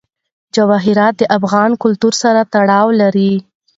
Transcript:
جواهرات د افغان کلتور سره تړاو لري.